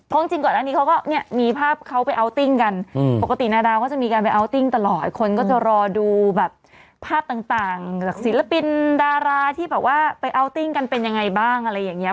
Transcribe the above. เพราะจริงกว่านั้นเขาก็มีภาพเขาไปอาวติ้งกันปกตินาดาวก็จะมีการไปอาวติ้งตลอดคนก็จะรอดูภาพต่างศิลปินดาราที่ไปอาวติ้งกันเป็นยังไงบ้างอะไรอย่างนี้